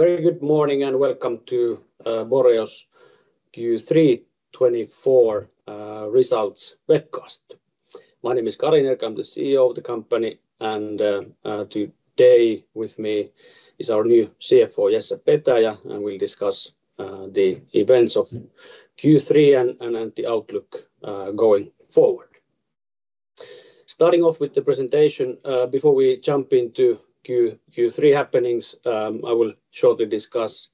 Very good morning and welcome to Boreo's Q3 2024 results webcast. My name is Kari Nerg. I'm the CEO of the company, and today with me is our new CFO, Jesse Petäjä. We'll discuss the events of Q3 and the outlook going forward. Starting off with the presentation, before we jump into Q3 happenings, I will shortly discuss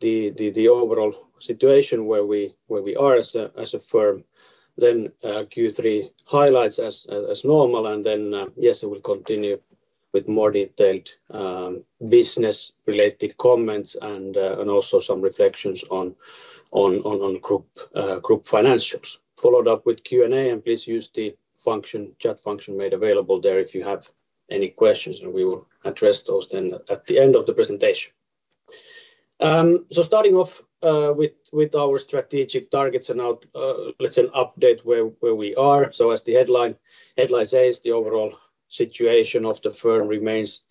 the overall situation where we are as a firm. Then Q3 highlights as normal, and then Jesse will continue with more detailed business-related comments and also some reflections on group financials. Followed up with Q&A, and please use the chat function made available there if you have any questions, and we will address those then at the end of the presentation. So starting off with our strategic targets and now let's say an update where we are. As the headline says, the overall situation of the firm remains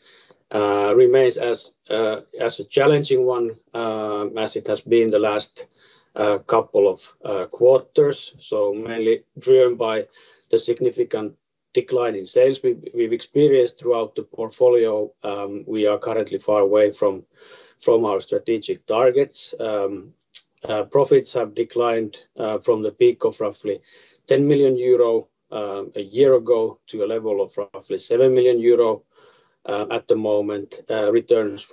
as a challenging one as it has been the last couple of quarters, so mainly driven by the significant decline in sales we've experienced throughout the portfolio. We are currently far away from our strategic targets. Profits have declined from the peak of roughly 10 million euro a year ago to a level of roughly 7 million euro at the moment. Returns up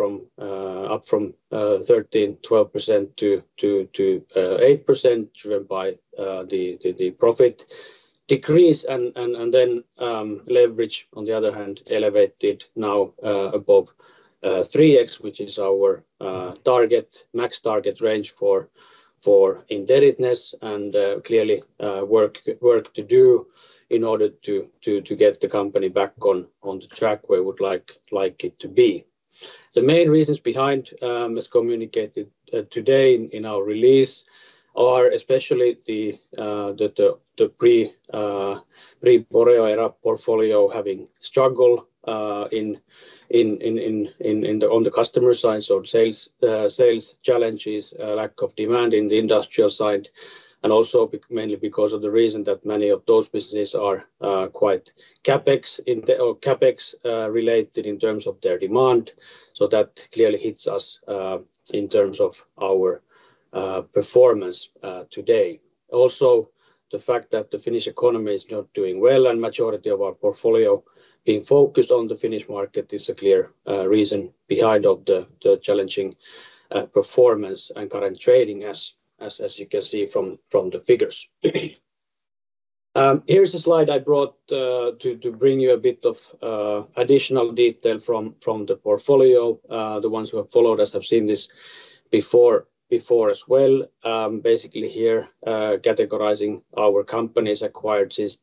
from 13%-12%-8% driven by the profit decrease, and then leverage on the other hand elevated now above 3x, which is our max target range for indebtedness and clearly work to do in order to get the company back on the track where we would like it to be. The main reasons behind, as communicated today in our release, are especially the pre-Boreo portfolio having struggled on the customer side, so sales challenges, lack of demand in the industrial side, and also mainly because of the reason that many of those businesses are quite CapEx related in terms of their demand. So that clearly hits us in terms of our performance today. Also the fact that the Finnish economy is not doing well and the majority of our portfolio being focused on the Finnish market is a clear reason behind the challenging performance and current trading as you can see from the figures. Here's a slide I brought to bring you a bit of additional detail from the portfolio. The ones who have followed us have seen this before as well. Basically here categorizing our companies acquired since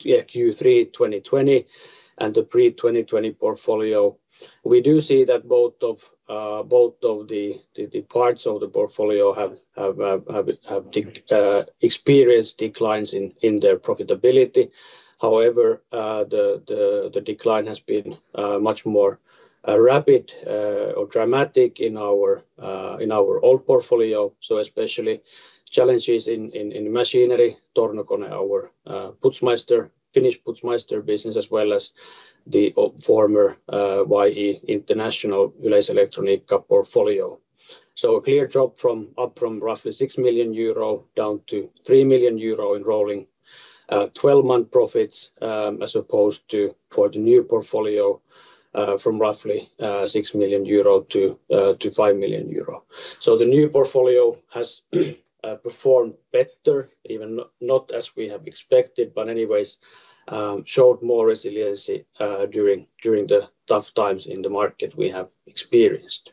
Q3 2020 and the pre-2020 portfolio. We do see that both of the parts of the portfolio have experienced declines in their profitability. However, the decline has been much more rapid or dramatic in our old portfolio, so especially challenges in Machinery, Tornokone, our Finnish Putzmeister business, as well as the former YE International Yleiselektroniikka portfolio, so a clear drop from roughly 6 million euro down to 3 million euro rolling 12-month profits as opposed to for the new portfolio from roughly 6 million euro to 5 million euro. The new portfolio has performed better, even not as we have expected, but anyways showed more resiliency during the tough times in the market we have experienced.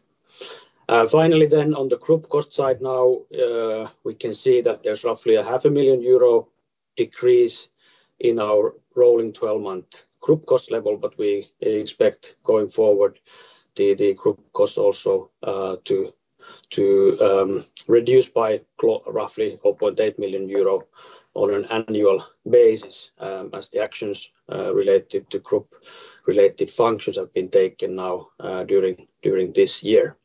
Finally, on the group cost side, now we can see that there's roughly 500,000 euro decrease in our rolling 12-month group cost level, but we expect going forward the group cost also to reduce by roughly 800,000 euro on an annual basis as the actions related to group related functions have been taken now during this year.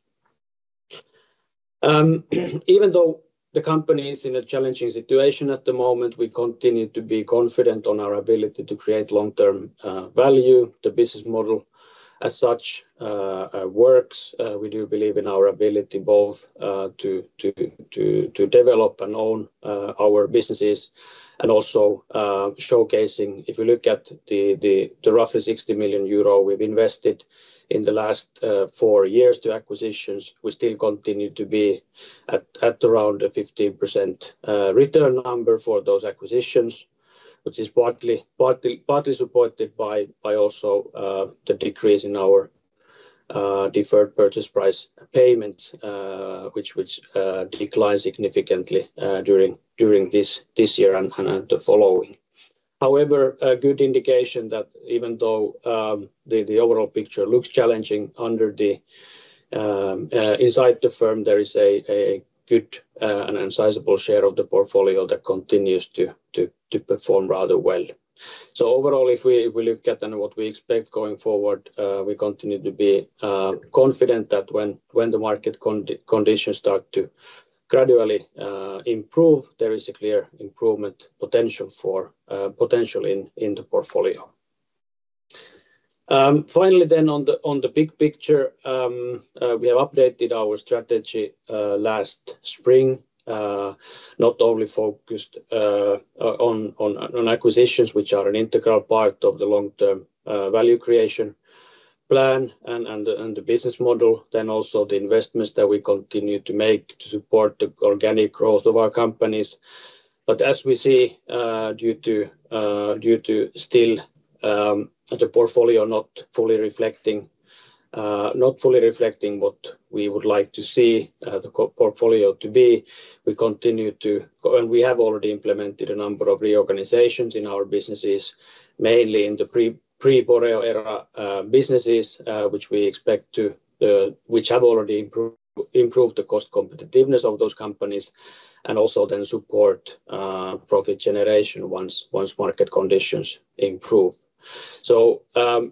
Even though the company is in a challenging situation at the moment, we continue to be confident on our ability to create long-term value. The business model as such works. We do believe in our ability both to develop and own our businesses and also showcasing. If you look at the roughly 60 million euro we've invested in the last four years to acquisitions, we still continue to be at around a 15% return number for those acquisitions, which is partly supported by also the decrease in our deferred purchase price payments, which declined significantly during this year and the following. However, a good indication that even though the overall picture looks challenging inside the firm, there is a good and sizable share of the portfolio that continues to perform rather well. So overall, if we look at what we expect going forward, we continue to be confident that when the market conditions start to gradually improve, there is a clear improvement potential in the portfolio. Finally, then, on the big picture, we have updated our strategy last spring, not only focused on acquisitions, which are an integral part of the long-term value creation plan and the business model, then also the investments that we continue to make to support the organic growth of our companies. But as we see, due to still the portfolio not fully reflecting what we would like to see the portfolio to be, we continue to, and we have already implemented a number of reorganizations in our businesses, mainly in the pre-Boreo era businesses, which have already improved the cost competitiveness of those companies and also then support profit generation once market conditions improve. So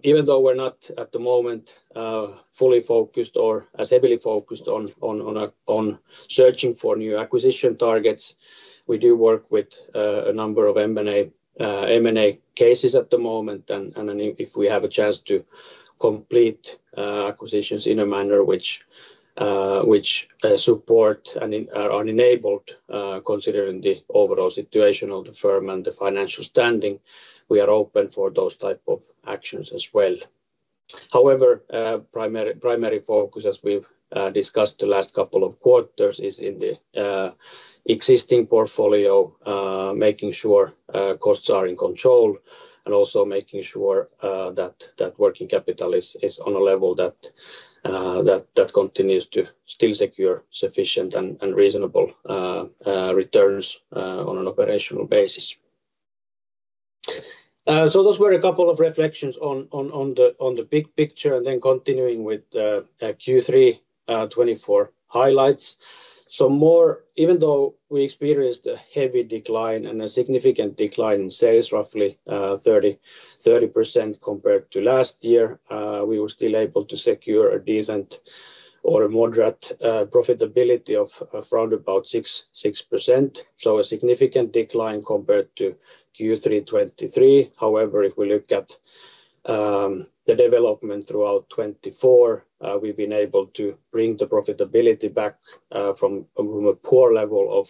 even though we're not at the moment fully focused or as heavily focused on searching for new acquisition targets, we do work with a number of M&A cases at the moment, and if we have a chance to complete acquisitions in a manner which support and are enabled, considering the overall situation of the firm and the financial standing, we are open for those types of actions as well. However, primary focus, as we've discussed the last couple of quarters, is in the existing portfolio, making sure costs are in control and also making sure that working capital is on a level that continues to still secure sufficient and reasonable returns on an operational basis. So those were a couple of reflections on the big picture and then continuing with Q3 2024 highlights. Even though we experienced a heavy decline and a significant decline in sales, roughly 30% compared to last year, we were still able to secure a decent or moderate profitability of around about 6%, so a significant decline compared to Q3 2023. However, if we look at the development throughout 2024, we've been able to bring the profitability back from a poor level of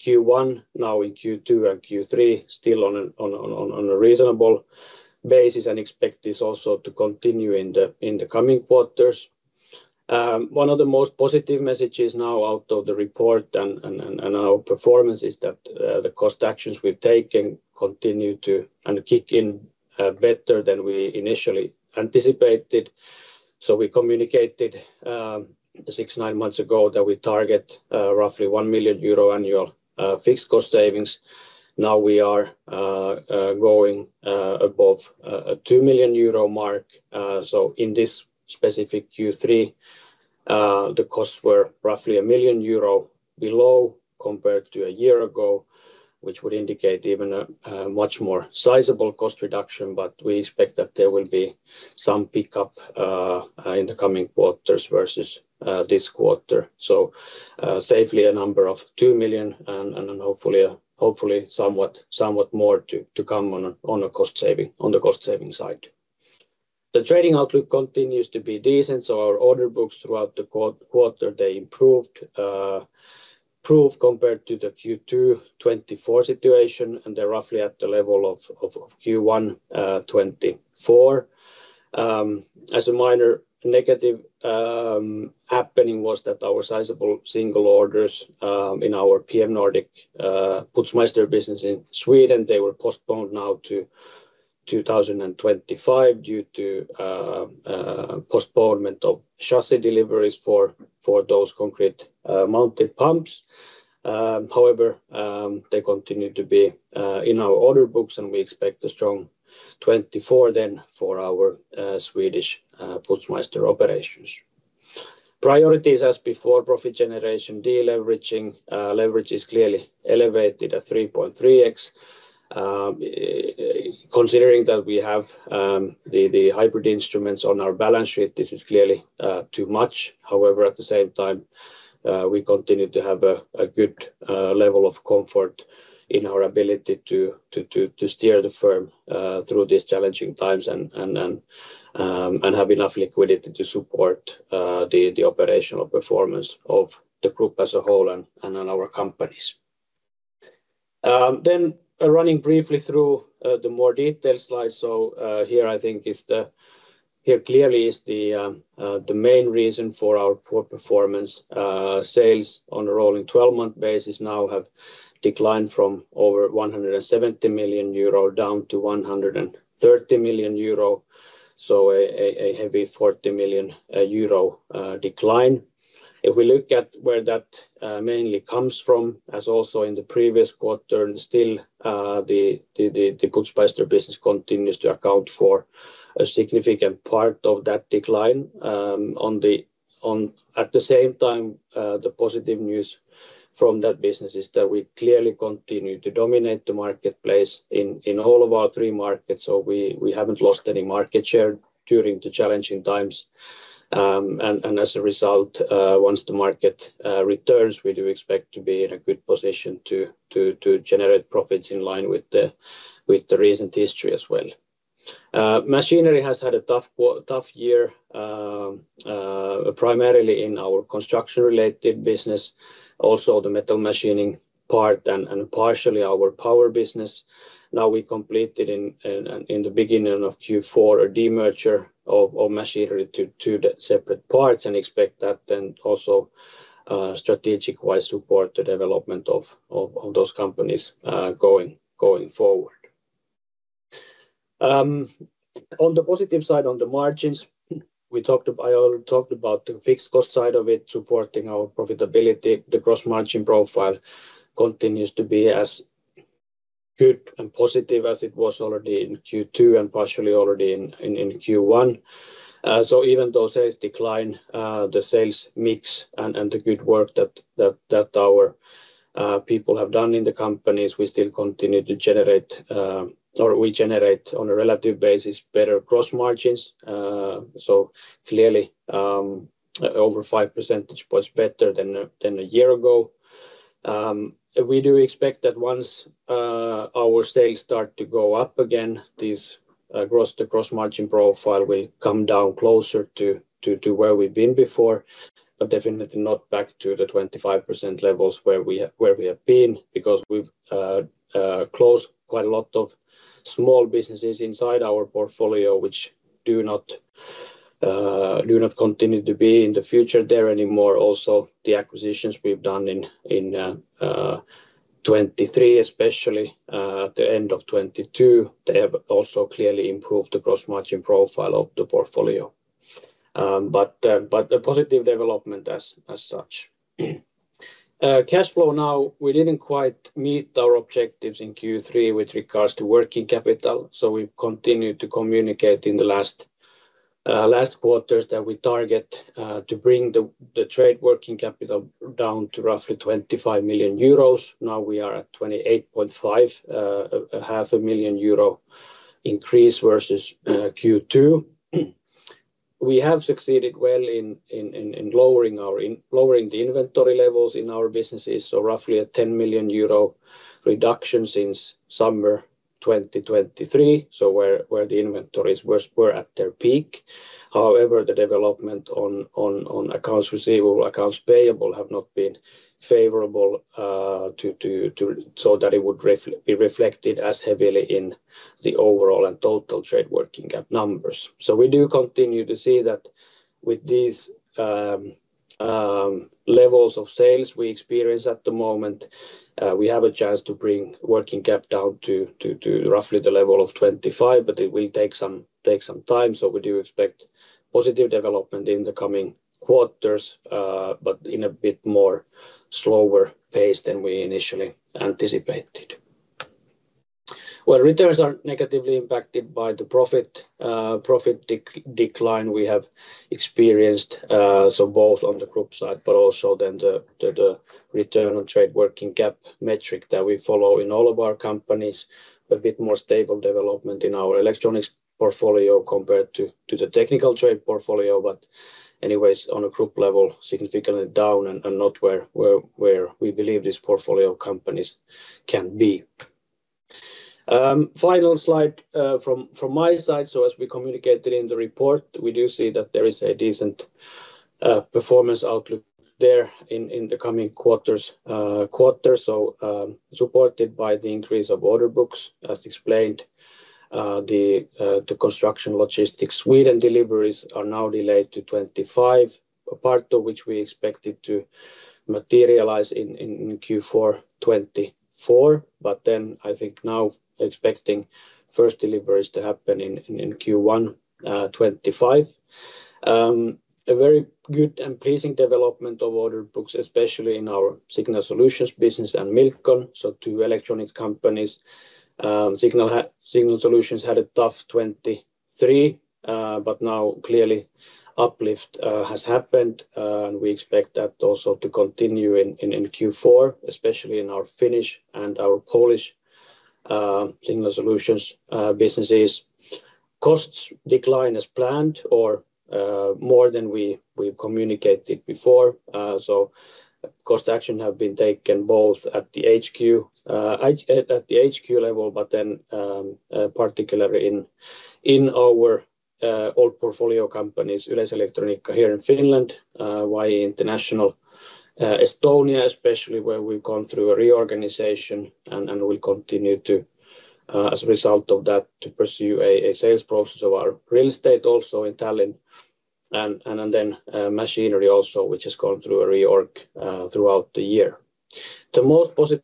Q1, now in Q2 and Q3, still on a reasonable basis and expect this also to continue in the coming quarters. One of the most positive messages now out of the report and our performance is that the cost actions we've taken continue to kick in better than we initially anticipated. We communicated six to nine months ago that we target roughly 1 million euro annual fixed cost savings. Now we are going above a 2 million euro mark. In this specific Q3, the costs were roughly 1 million euro below compared to a year ago, which would indicate even a much more sizable cost reduction, but we expect that there will be some pickup in the coming quarters versus this quarter. So safely a number of 2 million and hopefully somewhat more to come on the cost saving side. The trading outlook continues to be decent, so our order books throughout the quarter, they improved compared to the Q2 2024 situation, and they're roughly at the level of Q1 2024. As a minor negative happening was that our sizable single orders in our PM Nordic Putzmeister business in Sweden, they were postponed now to 2025 due to postponement of chassis deliveries for those concrete mounted pumps. However, they continue to be in our order books, and we expect a strong 2024 then for our Swedish Putzmeister operations. Priorities as before, profit generation de-leveraging leverage is clearly elevated at 3.3x. Considering that we have the hybrid instruments on our balance sheet, this is clearly too much. However, at the same time, we continue to have a good level of comfort in our ability to steer the firm through these challenging times and have enough liquidity to support the operational performance of the group as a whole and our companies. Then running briefly through the more detailed slides, so here clearly is the main reason for our poor performance. Sales on a rolling 12-month basis now have declined from over 170 million euro down to 130 million euro, so a heavy 40 million euro decline. If we look at where that mainly comes from, as also in the previous quarter, still the Putzmeister business continues to account for a significant part of that decline. At the same time, the positive news from that business is that we clearly continue to dominate the marketplace in all of our three markets, so we haven't lost any market share during the challenging times, and as a result, once the market returns, we do expect to be in a good position to generate profits in line with the recent history as well. Machinery has had a tough year, primarily in our construction-related business, also the metal machining part and partially our power business. Now we completed in the beginning of Q4 a de-merger of Machinery to the separate parts and expect that then also strategic-wise support the development of those companies going forward. On the positive side on the margins, I already talked about the fixed cost side of it supporting our profitability. The gross margin profile continues to be as good and positive as it was already in Q2 and partially already in Q1. So even though sales decline, the sales mix and the good work that our people have done in the companies, we still continue to generate, or we generate on a relative basis, better gross margins. So clearly over 5% was better than a year ago. We do expect that once our sales start to go up again, the gross margin profile will come down closer to where we've been before, but definitely not back to the 25% levels where we have been because we've closed quite a lot of small businesses inside our portfolio, which do not continue to be in the future there anymore. Also the acquisitions we've done in 2023, especially at the end of 2022, they have also clearly improved the gross margin profile of the portfolio. But the positive development as such. Cash flow now, we didn't quite meet our objectives in Q3 with regards to working capital, so we continue to communicate in the last quarters that we target to bring the trade working capital down to roughly 25 million euros. Now we are at 28.5 million euro, EUR 0.5 million increase versus Q2. We have succeeded well in lowering the inventory levels in our businesses, so roughly a 10 million euro reduction since summer 2023, so where the inventories were at their peak. However, the development on accounts receivable, accounts payable have not been favorable so that it would be reflected as heavily in the overall and total trade working capital numbers. So we do continue to see that with these levels of sales we experience at the moment, we have a chance to bring working capital down to roughly the level of 2025, but it will take some time. So we do expect positive development in the coming quarters, but in a bit more slower pace than we initially anticipated. When returns are negatively impacted by the profit decline, we have experienced both on the group side, but also then the return on trade working capital metric that we follow in all of our companies, a bit more stable development in our electronics portfolio compared to the technical trade portfolio, but anyways on a group level, significantly down and not where we believe these portfolio companies can be. Final slide from my side. So as we communicated in the report, we do see that there is a decent performance outlook there in the coming quarters, so supported by the increase of order books, as explained. The construction logistics Sweden deliveries are now delayed to 2025, part of which we expected to materialize in Q4 2024, but then I think now expecting first deliveries to happen in Q1 2025. A very good and pleasing development of order books, especially in our Signal Solutions business and Milcon, so two electronics companies. Signal Solutions had a tough 2023, but now clearly uplift has happened, and we expect that also to continue in Q4, especially in our Finnish and our Polish Signal Solutions businesses. Costs decline as planned or more than we communicated before. Cost action has been taken both at the HQ level, but then particularly in our old portfolio companies, Yleiselektroniikka here in Finland, YE International Estonia, especially where we've gone through a reorganization and will continue to, as a result of that, pursue a sales process of our real estate also in Tallinn and then Machinery also, which has gone through a reorg throughout the year. The most positive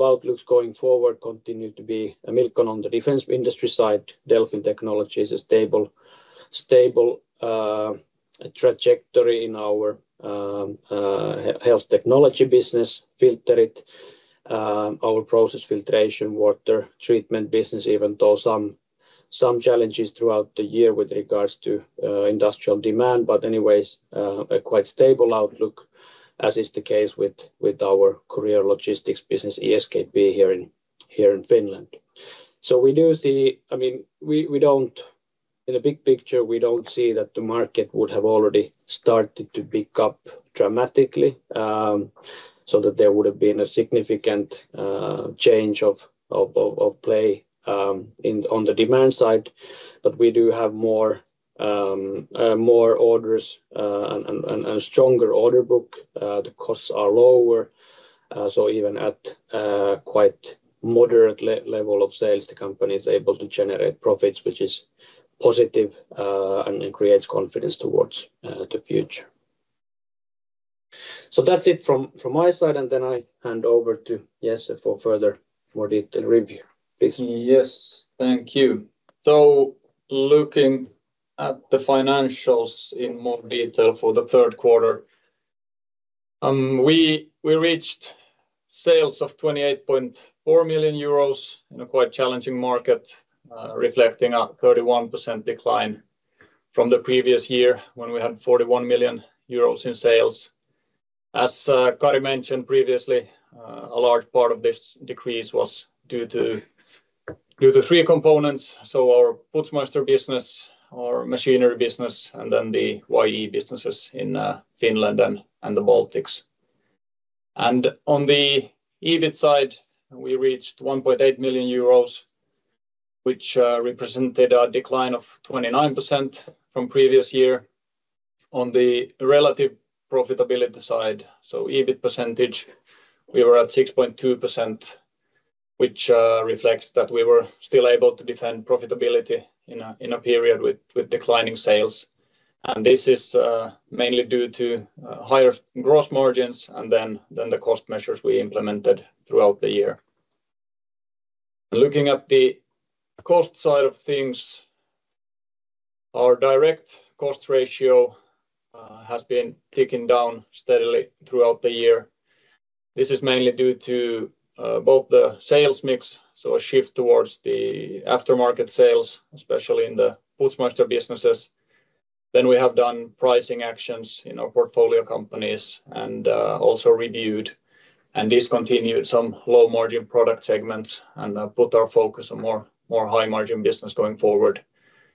outlooks going forward continue to be Milcon on the defense industry side, Delfin Technologies is a stable trajectory in our health technology business, Filterit, our process filtration, water treatment business, even though some challenges throughout the year with regards to industrial demand, but anyways a quite stable outlook, as is the case with our courier logistics business, ESKP here in Finland. So we do see, I mean, in the big picture, we don't see that the market would have already started to pick up dramatically, so that there would have been a significant change of play on the demand side, but we do have more orders and stronger order book. The costs are lower, so even at quite moderate level of sales, the company is able to generate profits, which is positive and creates confidence towards the future. So that's it from my side, and then I hand over to Jesse for further more detailed review. Yes, thank you. So looking at the financials in more detail for the third quarter, we reached sales of 28.4 million euros in a quite challenging market, reflecting a 31% decline from the previous year when we had 41 million euros in sales. As Kari mentioned previously, a large part of this decrease was due to three components, so our Putzmeister business, our Machinery business, and then the YE businesses in Finland and the Baltics. And on the EBIT side, we reached 1.8 million euros, which represented a decline of 29% from previous year. On the relative profitability side, so EBIT percentage, we were at 6.2%, which reflects that we were still able to defend profitability in a period with declining sales. And this is mainly due to higher gross margins and then the cost measures we implemented throughout the year. Looking at the cost side of things, our direct cost ratio has been ticking down steadily throughout the year. This is mainly due to both the sales mix, so a shift towards the aftermarket sales, especially in the Putzmeister businesses. Then we have done pricing actions in our portfolio companies and also reviewed and discontinued some low-margin product segments and put our focus on more high-margin business going forward.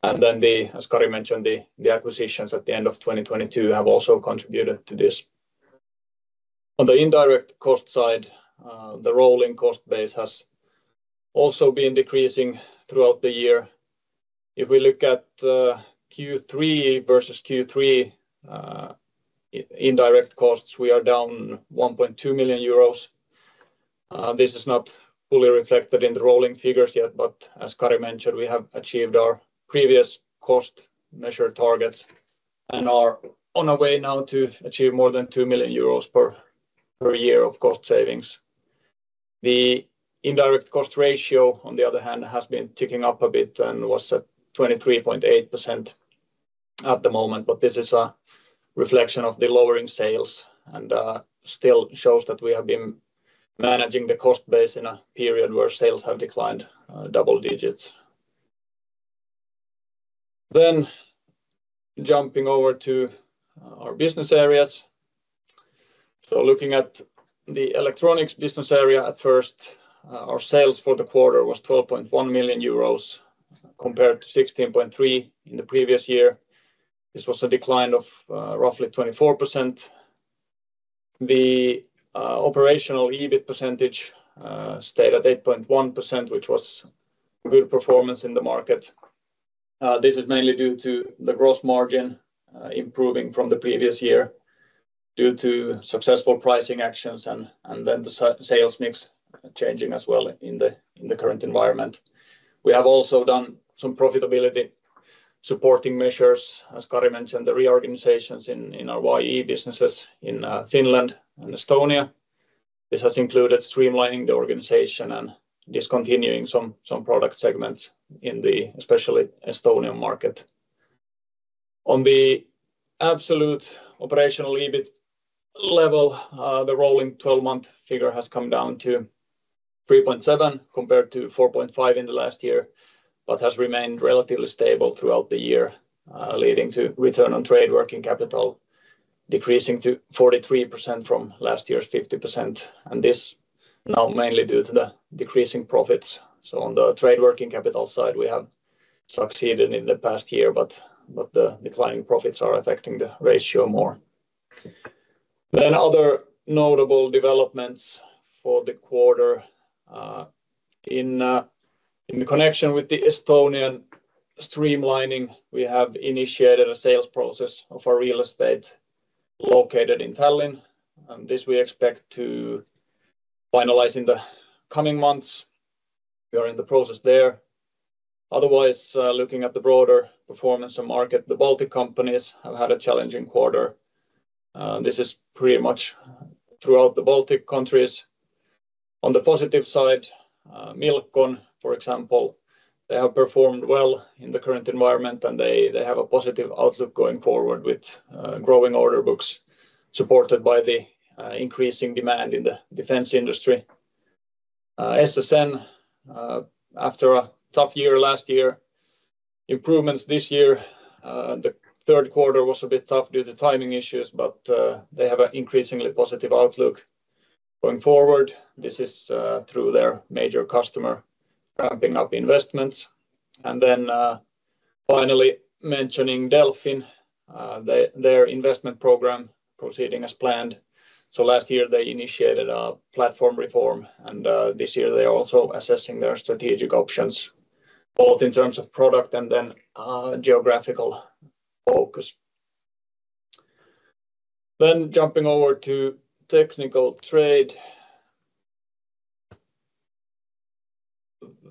And then as Kari mentioned, the acquisitions at the end of 2022 have also contributed to this. On the indirect cost side, the rolling cost base has also been decreasing throughout the year. If we look at Q3 versus Q3 indirect costs, we are down 1.2 million euros. This is not fully reflected in the rolling figures yet, but as Kari mentioned, we have achieved our previous cost measure targets and are on our way now to achieve more than 2 million euros per year of cost savings. The indirect cost ratio, on the other hand, has been ticking up a bit and was at 23.8% at the moment, but this is a reflection of the lowering sales and still shows that we have been managing the cost base in a period where sales have declined double digits. Then jumping over to our business areas. So looking at the electronics business area at first, our sales for the quarter was 12.1 million euros compared to 16.3 million in the previous year. This was a decline of roughly 24%. The operational EBIT percentage stayed at 8.1%, which was a good performance in the market. This is mainly due to the gross margin improving from the previous year due to successful pricing actions and then the sales mix changing as well in the current environment. We have also done some profitability supporting measures, as Kari mentioned, the reorganizations in our YE businesses in Finland and Estonia. This has included streamlining the organization and discontinuing some product segments in the especially Estonian market. On the absolute operational EBIT level, the rolling 12-month figure has come down to 3.7 compared to 4.5 in the last year, but has remained relatively stable throughout the year, leading to return on trade working capital decreasing to 43% from last year's 50%. And this now mainly due to the decreasing profits. So on the trade working capital side, we have succeeded in the past year, but the declining profits are affecting the ratio more. Then other notable developments for the quarter. In connection with the Estonian streamlining, we have initiated a sales process of our real estate located in Tallinn, and this we expect to finalize in the coming months. We are in the process there. Otherwise, looking at the broader performance of the market, the Baltic companies have had a challenging quarter. This is pretty much throughout the Baltic countries. On the positive side, Milcon, for example, they have performed well in the current environment, and they have a positive outlook going forward with growing order books supported by the increasing demand in the defense industry. SSN, after a tough year last year, improvements this year. The third quarter was a bit tough due to timing issues, but they have an increasingly positive outlook going forward. This is through their major customer ramping up investments and then finally mentioning Delfin, their investment program proceeding as planned. So last year they initiated a platform reform, and this year they are also assessing their strategic options, both in terms of product and then geographical focus, then jumping over to technical trade.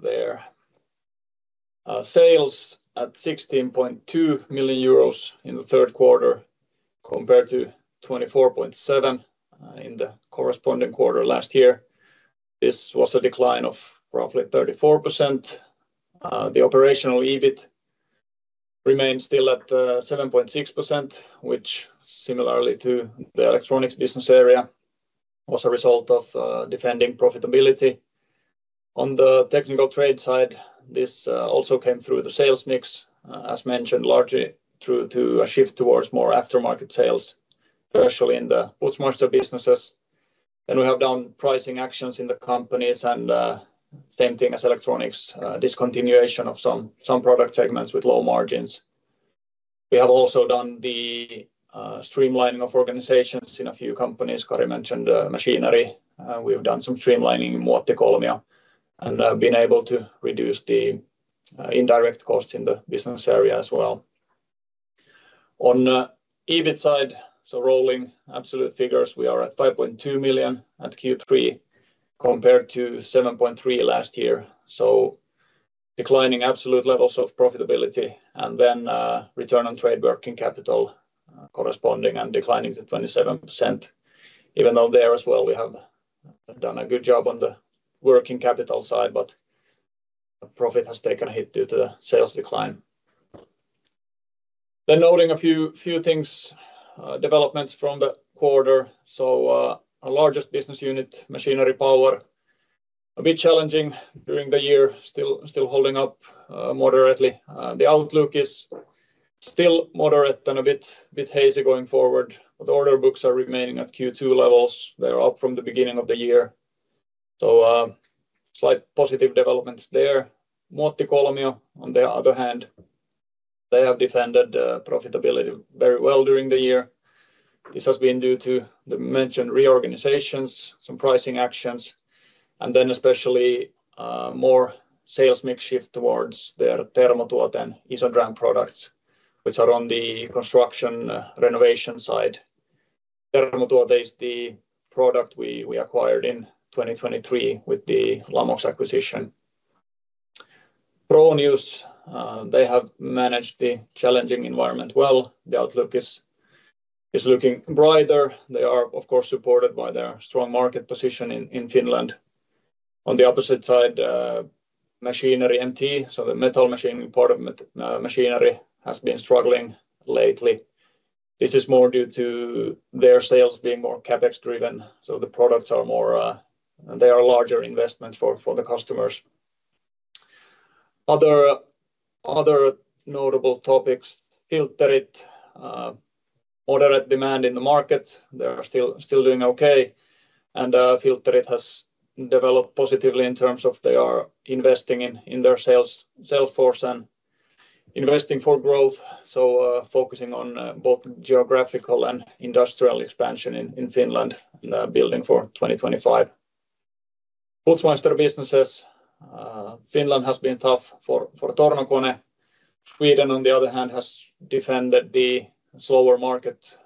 There sales at 16.2 million euros in the third quarter compared to 24.7 million in the corresponding quarter last year. This was a decline of roughly 34%. The operational EBIT remained still at 7.6%, which similarly to the electronics business area was a result of defending profitability. On the technical trade side, this also came through the sales mix, as mentioned, largely through to a shift towards more aftermarket sales, especially in the Putzmeister businesses. Then we have done pricing actions in the companies and same thing as electronics, discontinuation of some product segments with low margins. We have also done the streamlining of organizations in a few companies. Kari mentioned Machinery. We have done some streamlining in Muotikolmio and been able to reduce the indirect costs in the business area as well. On the EBIT side, so rolling absolute figures, we are at 5.2 million at Q3 compared to 7.3 million last year, so declining absolute levels of profitability and then return on trade working capital corresponding and declining to 27%. Even though there as well, we have done a good job on the working capital side, but profit has taken a hit due to the sales decline, then noting a few things, developments from the quarter, so our largest business unit, Machinery Power, a bit challenging during the year, still holding up moderately. The outlook is still moderate and a bit hazy going forward, but order books are remaining at Q2 levels. They are up from the beginning of the year, so slight positive developments there. Muotikolmio, on the other hand, they have defended profitability very well during the year. This has been due to the mentioned reorganizations, some pricing actions, and then especially more sales mix shift towards their Termotuote and Isodrän products, which are on the construction renovation side. Termotuote is the product we acquired in 2023 with the Lamox acquisition. Fronius, they have managed the challenging environment well. The outlook is looking brighter. They are, of course, supported by their strong market position in Finland. On the opposite side, Machinery MT, so the metal machining part of Machinery has been struggling lately. This is more due to their sales being more CapEx driven, so the products are more, they are larger investment for the customers. Other notable topics, Filterit, moderate demand in the market. They are still doing okay, and Filterit has developed positively in terms of they are investing in their sales force and investing for growth, so focusing on both geographical and industrial expansion in Finland and building for 2025. Putzmeister businesses, Finland has been tough for Tornokone. Sweden, on the other hand, has defended the slower market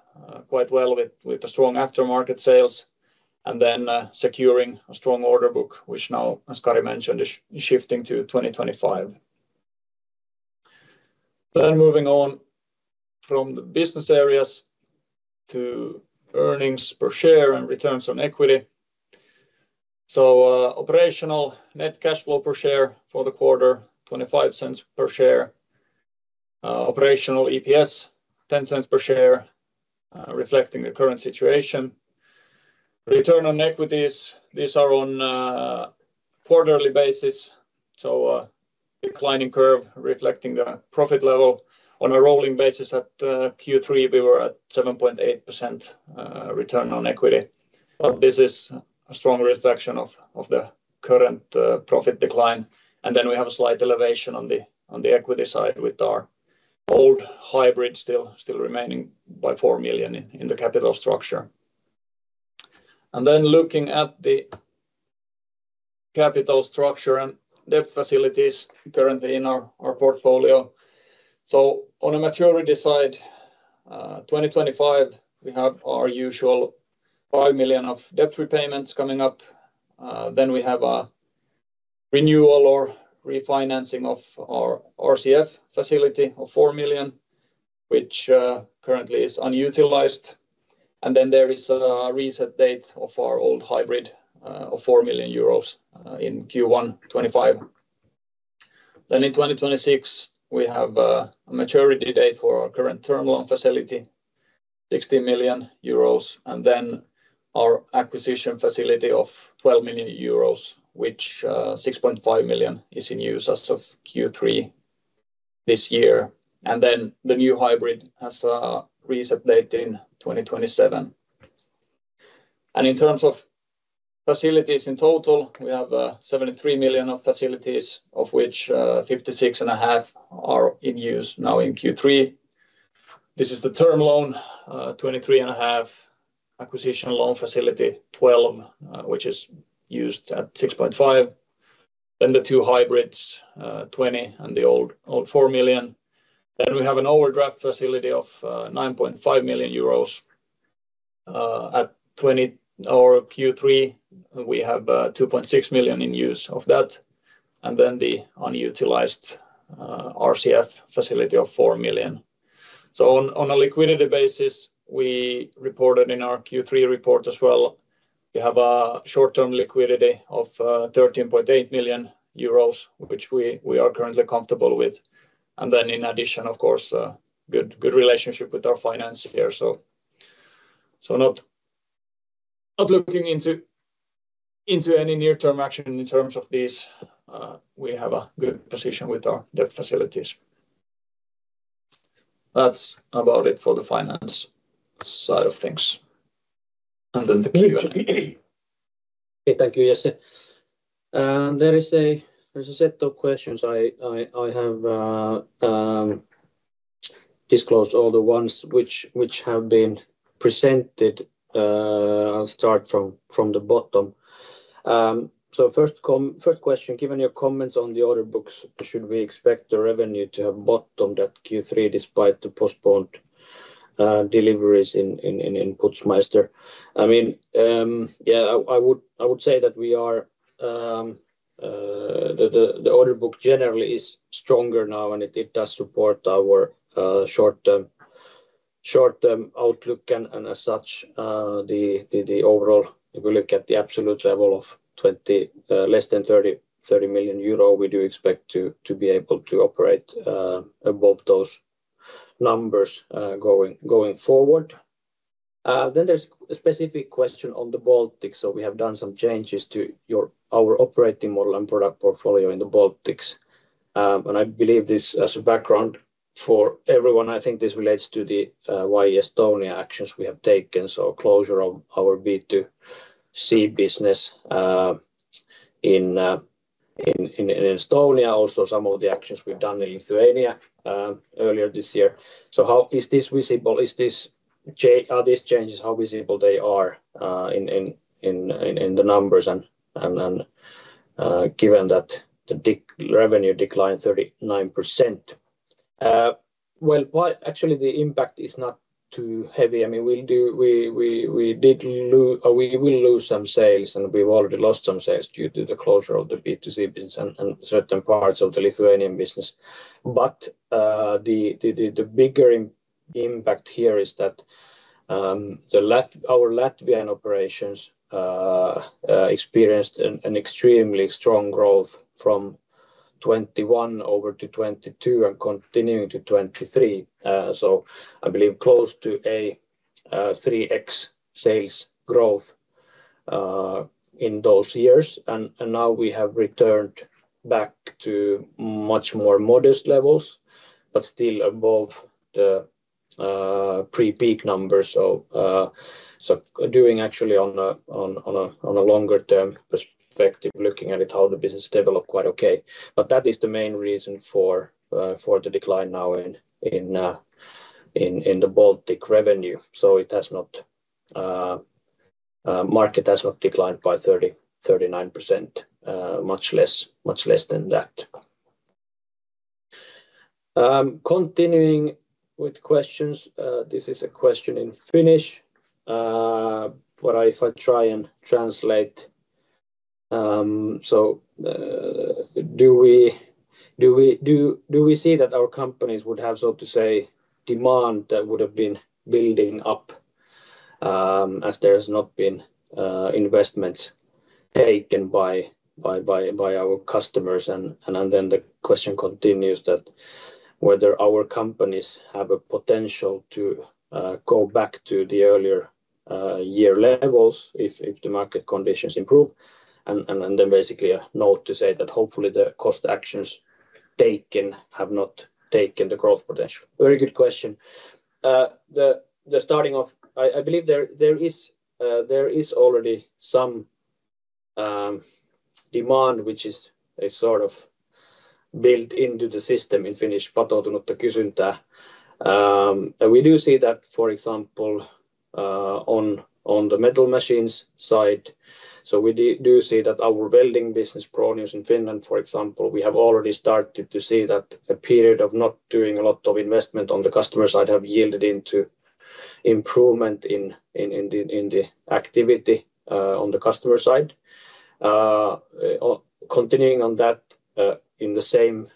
quite well with strong aftermarket sales and then securing a strong order book, which now, as Kari mentioned, is shifting to 2025. Moving on from the business areas to earnings per share and return on equity. Operational net cash flow per share for the quarter, 0.25 per share. Operational EPS, 0.10 per share, reflecting the current situation. Return on equity, these are on a quarterly basis, so declining curve reflecting the profit level. On a rolling basis at Q3, we were at 7.8% return on equity, but this is a strong reflection of the current profit decline, and then we have a slight elevation on the equity side with our old hybrid still remaining by 4 million in the capital structure, and then looking at the capital structure and debt facilities currently in our portfolio, so on a maturity side, 2025, we have our usual 5 million of debt repayments coming up, then we have a renewal or refinancing of our RCF facility of 4 million, which currently is unutilized, and then there is a reset date of our old hybrid of 4 million euros in Q1 2025. Then in 2026, we have a maturity date for our current term loan facility, 60 million euros, and then our acquisition facility of 12 million euros, which 6.5 million is in use as of Q3 this year. And then the new hybrid has a reset date in 2027. And in terms of facilities in total, we have 73 million of facilities, of which 56.5 million are in use now in Q3. This is the term loan, 23.5 million acquisition loan facility, 12 million, which is used at 6.5 million. Then the two hybrids, 20 million and the old 4 million. Then we have an overdraft facility of 9.5 million euros. At Q3, we have 2.6 million in use of that. And then the unutilized RCF facility of 4 million. So on a liquidity basis, we reported in our Q3 report as well. We have a short-term liquidity of 13.8 million euros, which we are currently comfortable with, and then in addition, of course, good relationship with our financiers here. So not looking into any near-term action in terms of these, we have a good position with our debt facilities. That's about it for the finance side of things, and then the Q&A. Okay, thank you, Jesse. There is a set of questions I have disclosed, all the ones which have been presented. I'll start from the bottom. So first question, given your comments on the order books, should we expect the revenue to have bottomed at Q3 despite the postponed deliveries in Putzmeister? I mean, yeah, I would say that the order book generally is stronger now, and it does support our short-term outlook. As such, the overall, if we look at the absolute level of less than 30 million euro, we do expect to be able to operate above those numbers going forward. Then there's a specific question on the Baltics. So we have done some changes to our operating model and product portfolio in the Baltics. And I believe this as a background for everyone. I think this relates to the YE Estonia actions we have taken. So closure of our B2C business in Estonia, also some of the actions we've done in Lithuania earlier this year. So how is this visible? Are these changes how visible they are in the numbers? And given that the revenue declined 39%, well, actually the impact is not too heavy. I mean, we did lose, we will lose some sales, and we've already lost some sales due to the closure of the B2C business and certain parts of the Lithuanian business, but the bigger impact here is that our Latvian operations experienced an extremely strong growth from 2021 over to 2022 and continuing to 2023, so I believe close to a 3x sales growth in those years, and now we have returned back to much more modest levels, but still above the pre-peak numbers, so doing actually on a longer term perspective, looking at it how the business developed quite okay, but that is the main reason for the decline now in the Baltic revenue, so the market has not declined by 39%, much less than that. Continuing with questions, this is a question in Finnish. If I try and translate, so do we see that our companies would have, so to say, demand that would have been building up as there has not been investments taken by our customers? And then the question continues that whether our companies have a potential to go back to the earlier year levels if the market conditions improve? And then basically a note to say that hopefully the cost actions taken have not taken the growth potential. Very good question. The starting of, I believe there is already some demand, which is sort of built into the system in Finnish, patoutunutta kysyntää. We do see that, for example, on the metal machines side. So we do see that our welding business, Fronius in Finland, for example, we have already started to see that a period of not doing a lot of investment on the customer side has yielded into improvement in the activity on the customer side. Continuing on that, in the same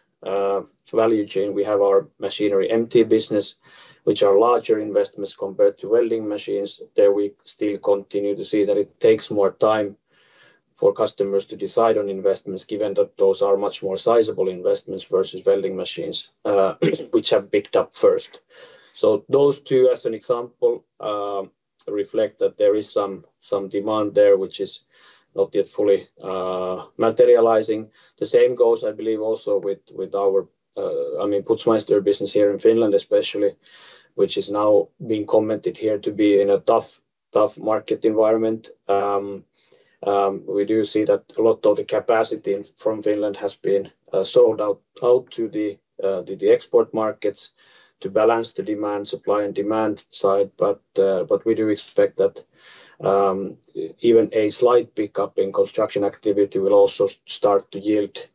value chain, we have our Machinery MT business, which are larger investments compared to welding machines. There we still continue to see that it takes more time for customers to decide on investments, given that those are much more sizable investments versus welding machines, which have picked up first. So those two, as an example, reflect that there is some demand there, which is not yet fully materializing. The same goes, I believe, also with our, I mean, Putzmeister business here in Finland, especially, which is now being commented here to be in a tough market environment. We do see that a lot of the capacity from Finland has been sold out to the export markets to balance the demand, supply and demand side. But we do expect that even a slight pickup in construction activity will also start to yield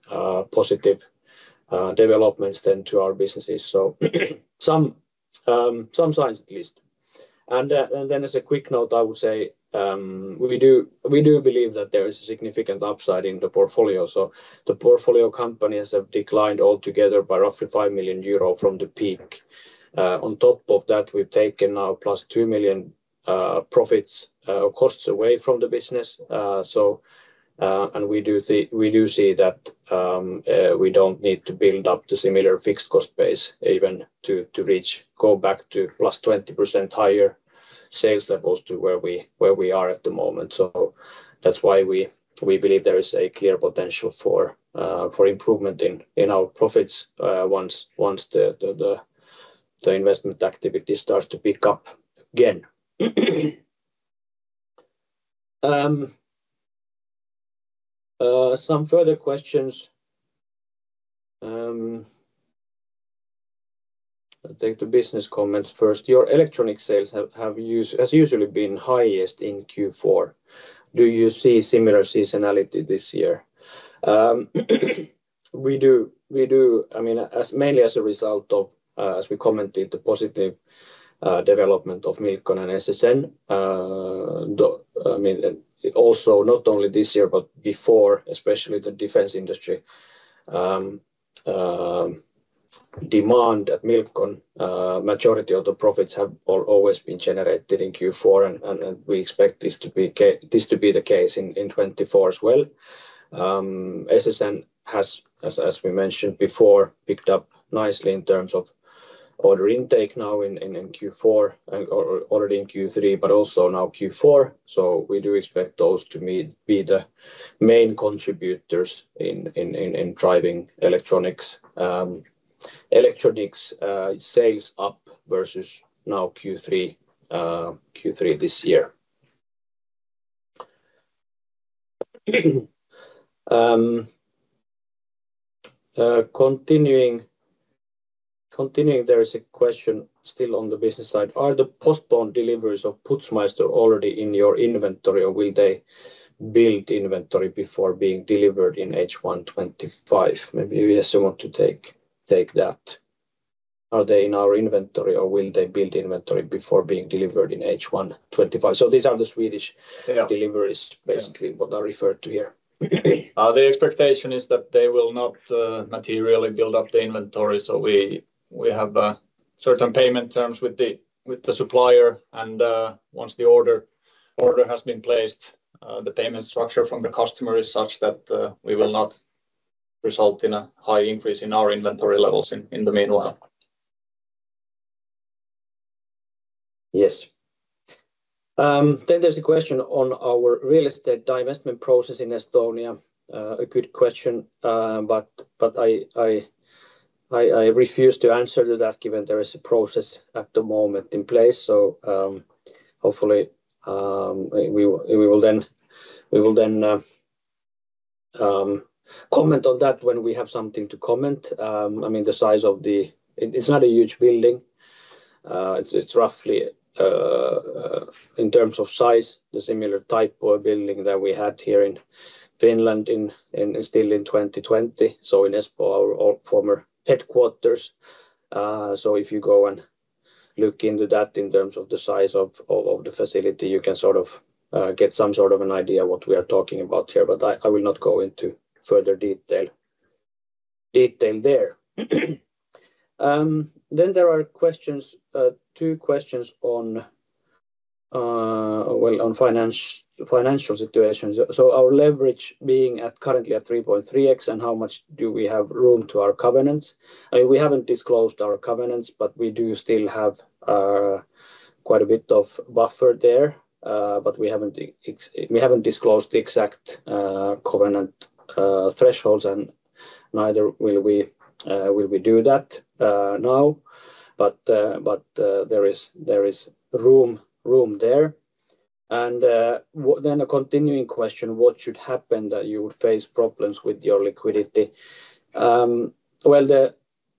positive developments then to our businesses. So some signs at least. And then as a quick note, I would say we do believe that there is a significant upside in the portfolio. So the portfolio companies have declined altogether by roughly 5 million euro from the peak. On top of that, we've taken now +2 million profits or costs away from the business. And we do see that we don't need to build up to similar fixed cost base even to reach, go back to +20% higher sales levels to where we are at the moment. So that's why we believe there is a clear potential for improvement in our profits once the investment activity starts to pick up again. Some further questions. I'll take the business comments first. Your electronic sales have usually been highest in Q4. Do you see similar seasonality this year? We do. I mean, mainly as a result of, as we commented, the positive development of Milcon and SSN. I mean, also not only this year, but before, especially the defense industry demand at Milcon. Majority of the profits have always been generated in Q4. And we expect this to be the case in 2024 as well. SSN has, as we mentioned before, picked up nicely in terms of order intake now in Q4 and already in Q3, but also now Q4. So we do expect those to be the main contributors in driving electronics sales up versus now Q3 this year. Continuing, there is a question still on the business side. Are the postponed deliveries of Putzmeister already in your inventory, or will they build inventory before being delivered in H1 2025? Maybe Jesse wants to take that. Are they in our inventory, or will they build inventory before being delivered in H1 2025? So these are the Swedish deliveries, basically, what I refer to here. The expectation is that they will not materially build up the inventory. So we have certain payment terms with the supplier. And once the order has been placed, the payment structure from the customer is such that we will not result in a high increase in our inventory levels in the meanwhile. Yes. Then there's a question on our real estate divestment process in Estonia. A good question, but I refuse to answer to that given there is a process at the moment in place. Hopefully we will then comment on that when we have something to comment. I mean, the size of the, it's not a huge building. It's roughly, in terms of size, the similar type of building that we had here in Finland and still in 2020. So in Espoo, our former headquarters. So if you go and look into that in terms of the size of the facility, you can sort of get some sort of an idea of what we are talking about here. But I will not go into further detail there. Then there are questions, two questions on, well, on financial situations. So our leverage being currently at 3.3x and how much do we have room to our covenants? I mean, we haven't disclosed our covenants, but we do still have quite a bit of buffer there. But we haven't disclosed the exact covenant thresholds, and neither will we do that now. But there is room there. And then a continuing question, what should happen that you would face problems with your liquidity? Well,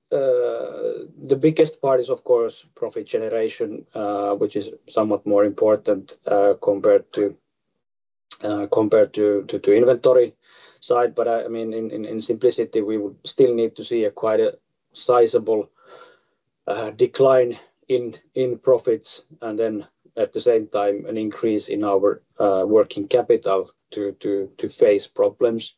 the biggest part is, of course, profit generation, which is somewhat more important compared to inventory side. But I mean, in simplicity, we would still need to see a quite sizable decline in profits and then at the same time an increase in our working capital to face problems.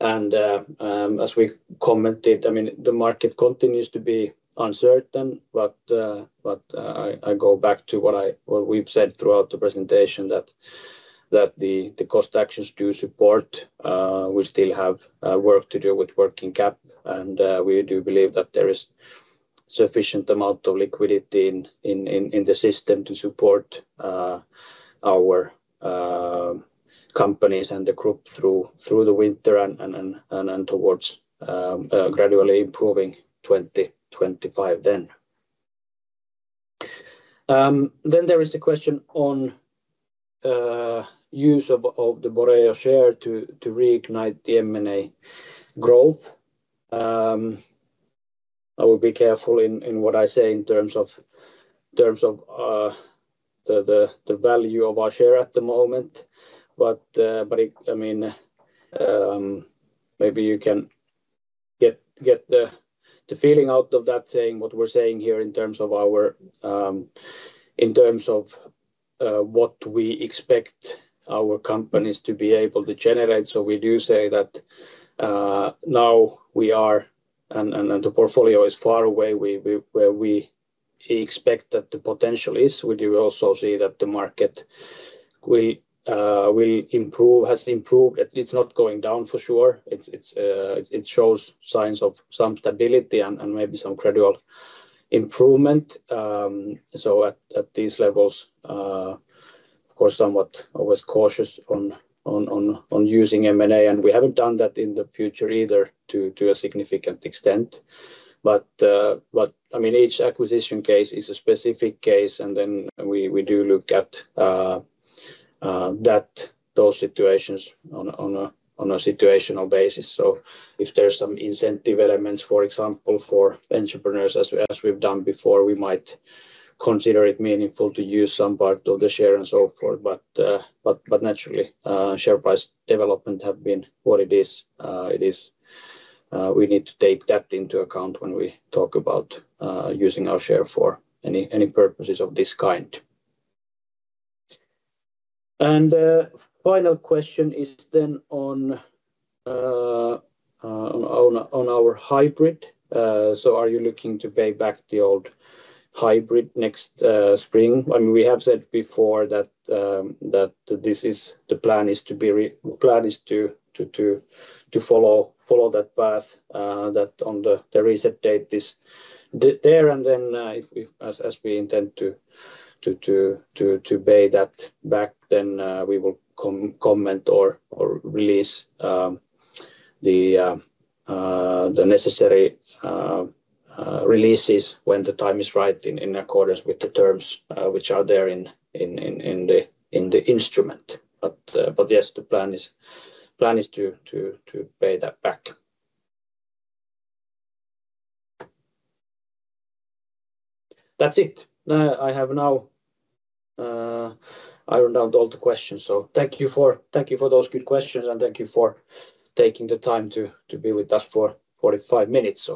And as we commented, I mean, the market continues to be uncertain. But I go back to what we've said throughout the presentation that the cost actions do support. We still have work to do with working cap. We do believe that there is a sufficient amount of liquidity in the system to support our companies and the group through the winter and towards gradually improving 2025. Then there is a question on use of the Boreo share to reignite the M&A growth. I will be careful in what I say in terms of the value of our share at the moment. But I mean, maybe you can get the feeling out of that saying what we're saying here in terms of our, in terms of what we expect our companies to be able to generate. So we do say that now we are, and the portfolio is far away where we expect that the potential is. We do also see that the market will improve, has improved. It's not going down for sure. It shows signs of some stability and maybe some gradual improvement. So at these levels, of course, somewhat always cautious on using M&A. And we haven't done that in the future either to a significant extent. But I mean, each acquisition case is a specific case. And then we do look at those situations on a situational basis. So if there's some incentive elements, for example, for entrepreneurs as we've done before, we might consider it meaningful to use some part of the share and so forth. But naturally, share price development has been what it is. We need to take that into account when we talk about using our share for any purposes of this kind. And the final question is then on our hybrid. So are you looking to pay back the old hybrid next spring? I mean, we have said before that this is the plan to follow that path that on the reset date is there. Then as we intend to pay that back, then we will comment or release the necessary releases when the time is right in accordance with the terms which are there in the instrument. But yes, the plan is to pay that back. That's it. I have now ironed out all the questions. Thank you for those good questions and thank you for taking the time to be with us for 45 minutes.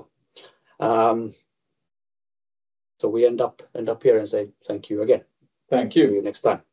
We end up here and say thank you again. Thank you. See you next time.